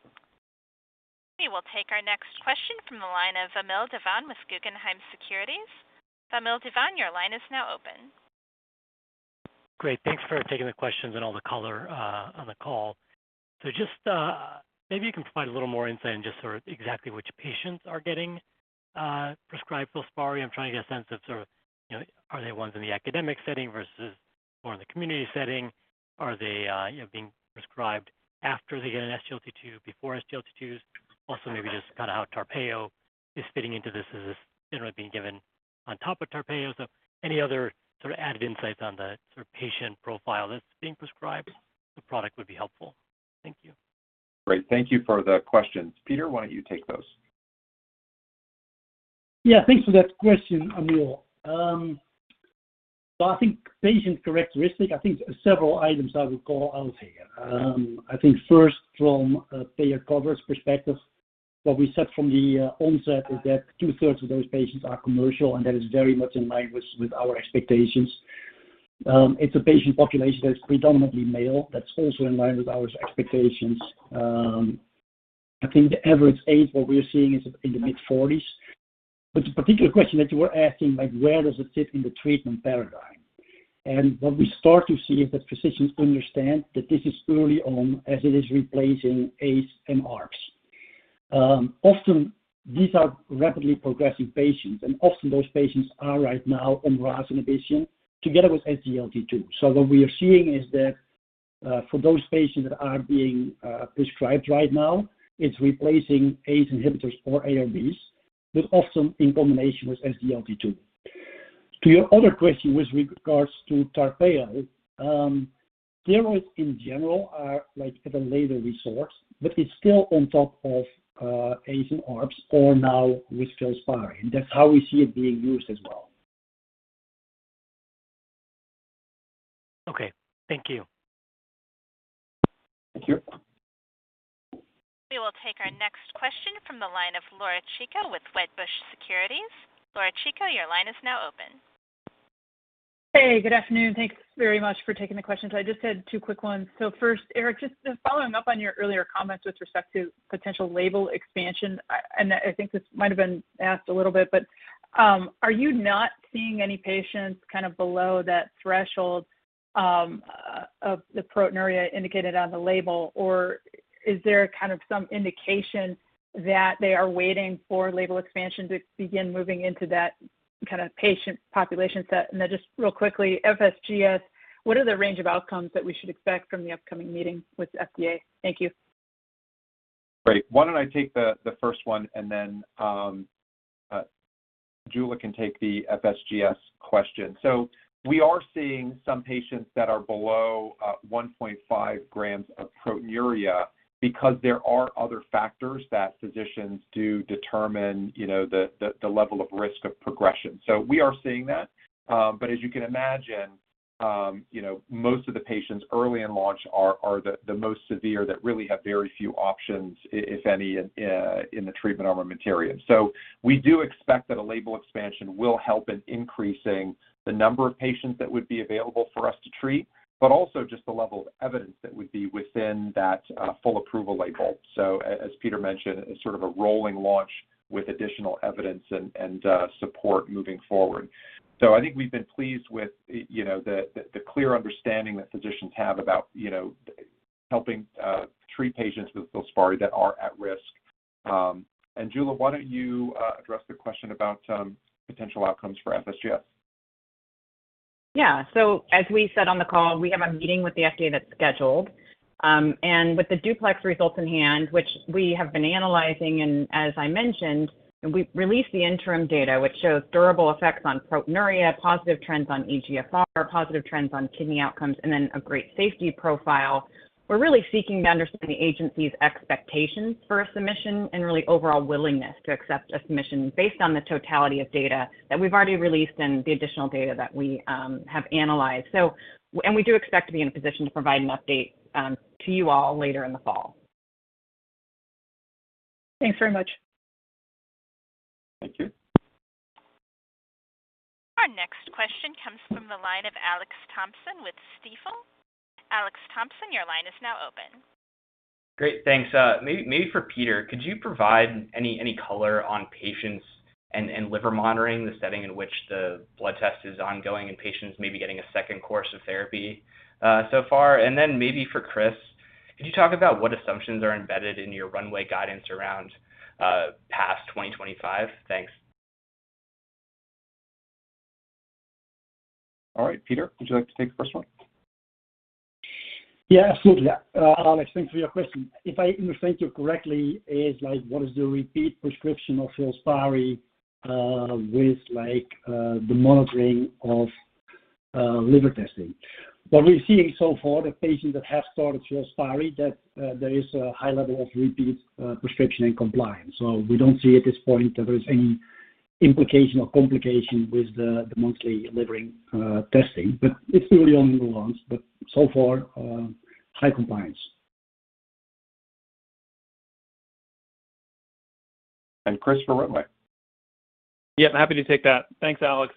We will take our next question from the line of Amil Divan with Guggenheim Securities. Amil Divan, your line is now open. Great. Thanks for taking the questions and all the color on the call. Just, maybe you can provide a little more insight on just sort of exactly which patients are getting prescribed FILSPARI. I'm trying to get a sense of sort of, you know, are they ones in the academic setting versus more in the community setting? Are they, you know, being prescribed after they get an SGLT2, before SGLT2s? Maybe just kind of how TARPEYO is fitting into this. Is this generally being given on top of TARPEYO? Any other sort of added insights on the sort of patient profile that's being prescribed, the product would be helpful. Thank you. Great. Thank you for the questions. Peter, why don't you take those? Yeah, thanks for that question, Amil. I think patient characteristic, I think several items I would call out here. I think first from a payer coverage perspective, what we said from the onset is that two-thirds of those patients are commercial, and that is very much in line with our expectations. It's a patient population that is predominantly male, that's also in line with our expectations. I think the average age, what we're seeing is in the mid-40s. The particular question that you were asking, like where does it fit in the treatment paradigm? What we start to see is that physicians understand that this is early on as it is replacing ACE and ARBs. Often these are rapidly progressing patients, and often those patients are right now on RAS inhibition together with SGLT2. What we are seeing is that for those patients that are being prescribed right now, it's replacing ACE inhibitors or ARBs, but often in combination with SGLT2. Your other question with regards to TARPEYO, steroids in general are like at a later resource, but it's still on top of ACE and ARBs or now with FILSPARI. That's how we see it being used as well. Okay. Thank you. Thank you. We will take our next question from the line of Laura Chico with Wedbush Securities. Laura Chico, your line is now open. Hey, good afternoon. Thanks very much for taking the questions. I just had two quick ones. First, Eric, just, just following up on your earlier comments with respect to potential label expansion, and I, I think this might have been asked a little bit, but, are you not seeing any patients kind of below that threshold, of the proteinuria indicated on the label? Or is there kind of some indication that they are waiting for label expansion to begin moving into that kind of patient population set? Then just real quickly, FSGS, what are the range of outcomes that we should expect from the upcoming meeting with the FDA? Thank you. Great. Why don't I take the, the first one, and then Julie can take the FSGS question. We are seeing some patients that are below 1.5 grams of proteinuria because there are other factors that physicians do determine, you know, the, the, the level of risk of progression. We are seeing that. But as you can imagine, you know, most of the patients early in launch are, are the, the most severe, that really have very few options, if any, in the treatment armamentarium. We do expect that a label expansion will help in increasing the number of patients that would be available for us to treat, but also just the level of evidence that would be within that full approval label. As Peter mentioned, it's sort of a rolling launch with additional evidence and support moving forward. I think we've been pleased with the clear understanding that physicians have about, you know, helping treat patients with FILSPARI that are at risk. And Jula, why don't you address the question about potential outcomes for FSGS? Yeah. As we said on the call, we have a meeting with the FDA that's scheduled. With the DUPLEX results in hand, which we have been analyzing, and as I mentioned, and we've released the interim data, which shows durable effects on proteinuria, positive trends on EGFR, positive trends on kidney outcomes, and then a great safety profile. We're really seeking to understand the agency's expectations for a submission and really overall willingness to accept a submission based on the totality of data that we've already released and the additional data that we have analyzed. We do expect to be in a position to provide an update to you all later in the fall. Thanks very much. Thank you. Our next question comes from the line of Alex Thompson with Stifel. Alex Thompson, your line is now open. Great, thanks. Maybe for Peter, could you provide any, any color on patients and, and liver monitoring, the setting in which the blood test is ongoing and patients may be getting a second course of therapy so far? Then maybe for Chris, could you talk about what assumptions are embedded in your runway guidance around past 2025? Thanks. All right. Peter, would you like to take the first one? Yeah, absolutely. Alex, thanks for your question. If I understand you correctly, it's like, what is the repeat prescription of FILSPARI, with, like, the monitoring of liver testing? What we're seeing so far, the patients that have started FILSPARI, that there is a high level of repeat prescription and compliance. We don't see at this point that there is any implication or complication with the, the monthly liver testing, but it's really only once, but so far, high compliance. Chris, for runway. Yeah, happy to take that. Thanks, Alex.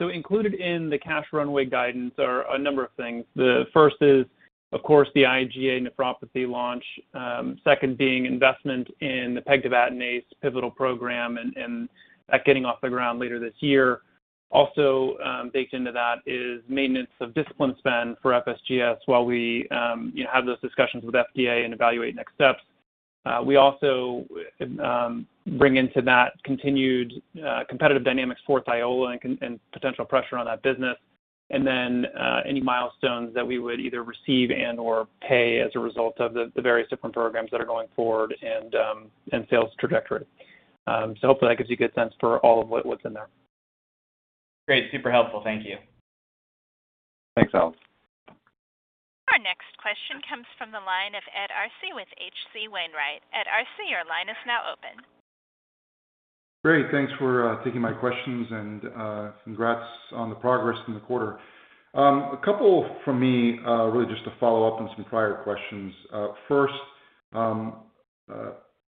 Included in the cash runway guidance are a number of things. The first is, of course, the IgA nephropathy launch, second being investment in the Pegtibatinase pivotal program and that getting off the ground later this year. Also, baked into that is maintenance of discipline spend for FSGS while we have those discussions with FDA and evaluate next steps. We also bring into that continued competitive dynamics for THIOLA and potential pressure on that business, and then any milestones that we would either receive and/or pay as a result of the various different programs that are going forward and sales trajectory. Hopefully that gives you a good sense for all of what, what's in there. Great. Super helpful. Thank you. Thanks, Alex. Our next question comes from the line of Ed Arce with H.C. Wainwright. Ed Arce, your line is now open. Great. Thanks for taking my questions, and congrats on the progress in the quarter. A couple from me, really just to follow up on some prior questions. First,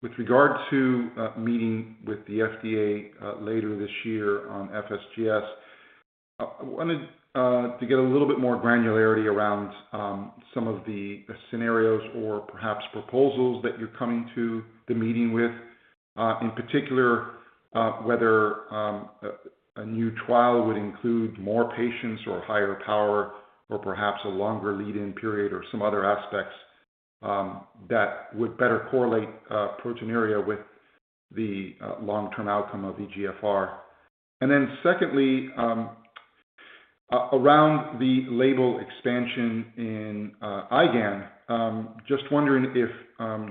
with regard to meeting with the FDA later this year on FSGS, I wanted to get a little bit more granularity around some of the scenarios or perhaps proposals that you're coming to the meeting with. In particular, whether a new trial would include more patients or higher power, or perhaps a longer lead-in period or some other aspects that would better correlate proteinuria with the long-term outcome of eGFR. Then secondly, around the label expansion in IgAN, just wondering if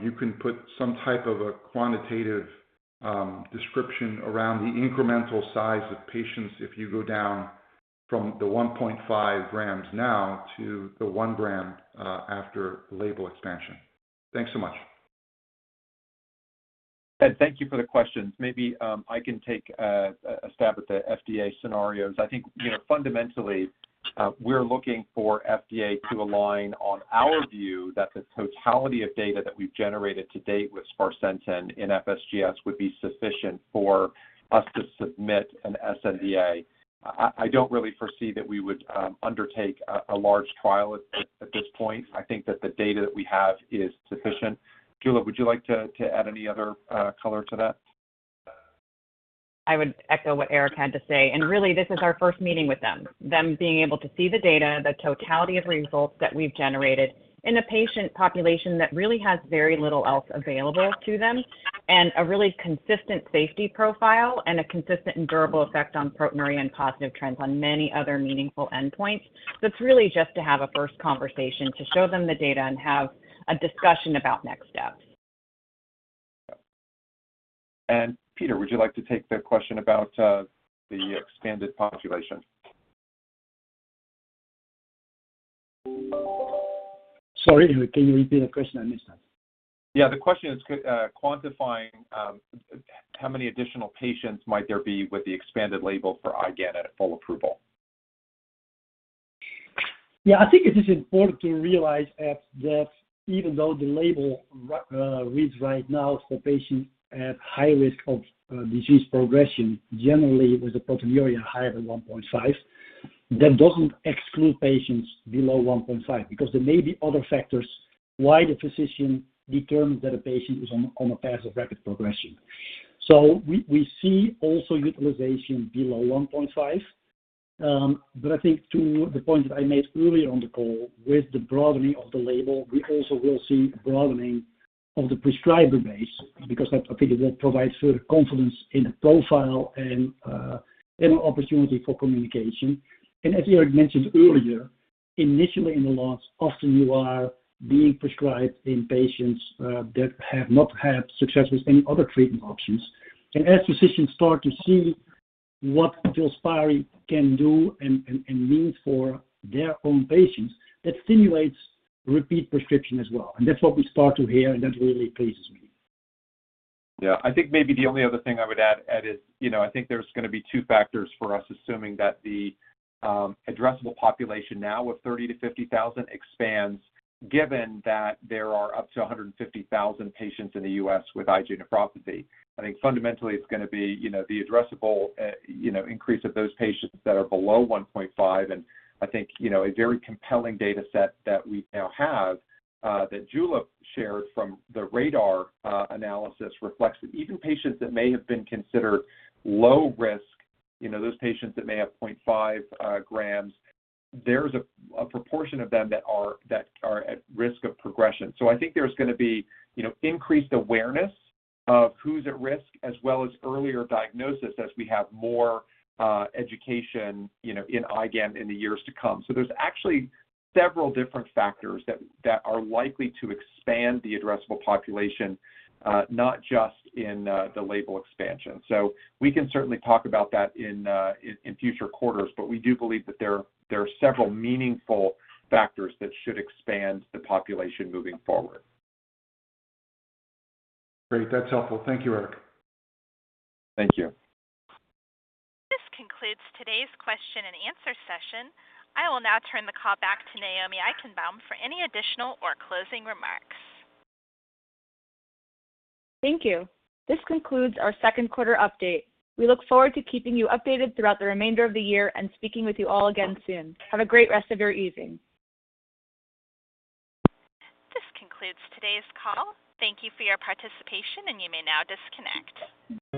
you can put some type of a quantitative description around the incremental size of patients if you go down from the 1.5 grams now to the 1 gram after label expansion. Thanks so much. Ed, thank you for the questions. Maybe, I can take a stab at the FDA scenarios. I think, you know, fundamentally, we're looking for FDA to align on our view that the totality of data that we've generated to date with sparsentan in FSGS would be sufficient for us to submit an sNDA. I, I, I don't really foresee that we would undertake a large trial at, at this point. I think that the data that we have is sufficient. Jula, would you like to, to add any other color to that? I would echo what Eric had to say, and really, this is our first meeting with them. Them being able to see the data, the totality of results that we've generated in a patient population that really has very little else available to them, and a really consistent safety profile and a consistent and durable effect on proteinuria and positive trends on many other meaningful endpoints. It's really just to have a first conversation, to show them the data and have a discussion about next steps. Peter, would you like to take the question about the expanded population? Sorry, can you repeat the question? I missed that. Yeah, the question is, quantifying how many additional patients might there be with the expanded label for IgAN at full approval? Yeah, I think it is important to realize that, that even though the label reads right now for patients at high risk of disease progression, generally with a proteinuria higher than 1.5, that doesn't exclude patients below 1.5, because there may be other factors why the physician determines that a patient is on, on a path of rapid progression. We, we see also utilization below 1.5. I think to the point that I made earlier on the call, with the broadening of the label, we also will see a broadening of the prescriber base because I, I think that provides further confidence in the profile and opportunity for communication. As Eric mentioned earlier, initially in the launch, often you are being prescribed in patients that have not had success with any other treatment options. As physicians start to see what FILSPARI can do and means for their own patients, that stimulates repeat prescription as well. That's what we start to hear, and that really pleases me. Yeah. I think maybe the only other thing I would add, add is, you know, I think there's going to be two factors for us, assuming that the addressable population now of 30,000-50,000 expands, given that there are up to 150,000 patients in the US with IgA nephropathy. I think fundamentally, it's going to be, you know, the addressable, you know, increase of those patients that are below 1.5. I think, you know, a very compelling data set that we now have, that Julep shared from the RaDaR analysis reflects that even patients that may have been considered low risk, you know, those patients that may have 0.5 grams, there's a, a proportion of them that are, that are at risk of progression. I think there's going to be, you know, increased awareness of who's at risk, as well as earlier diagnosis as we have more education, you know, in IgAN in the years to come. There's actually several different factors that, that are likely to expand the addressable population, not just in the label expansion. We can certainly talk about that in, in future quarters, but we do believe that there, there are several meaningful factors that should expand the population moving forward. Great. That's helpful. Thank you, Eric. Thank you. This concludes today's question and answer session. I will now turn the call back to Naomi Eichenbaum for any additional or closing remarks. Thank you. This concludes our Q2 update. We look forward to keeping you updated throughout the remainder of the year and speaking with you all again soon. Have a great rest of your evening. This concludes today's call. Thank you for your participation, and you may now disconnect.